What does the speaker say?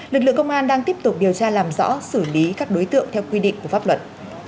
lực lượng công an đang tiếp tục điều tra làm rõ xử lý các đối tượng theo quy định của pháp luật